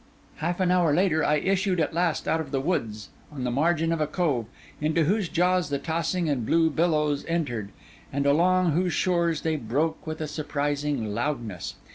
Half an hour later, I issued at last out of the woods on the margin of a cove, into whose jaws the tossing and blue billows entered, and along whose shores they broke with a surprising loudness.